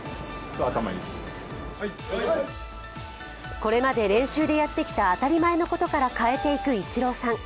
これまで練習でやってきた当たり前のことから変えていくイチローさん。